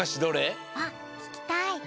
あっききたい！